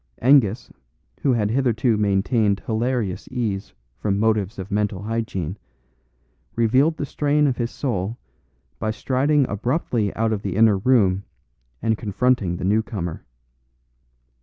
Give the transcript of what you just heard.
Angus, who had hitherto maintained hilarious ease from motives of mental hygiene, revealed the strain of his soul by striding abruptly out of the inner room and confronting the new comer.